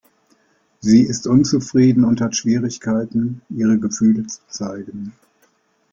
Sie ist unzufrieden und hat Schwierigkeiten, ihre Gefühle zu zeigen.